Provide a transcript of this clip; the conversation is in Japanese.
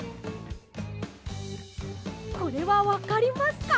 これはわかりますか？